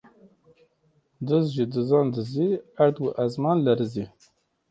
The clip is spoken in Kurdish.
Diz ji dizan dizî, erd û ezman lerizî